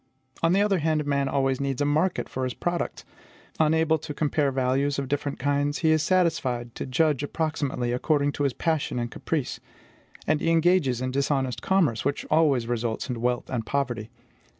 On the other hand, man always needs a market for his products; unable to compare values of different kinds, he is satisfied to judge approximately, according to his passion and caprice; and he engages in dishonest commerce, which always results in wealth and poverty.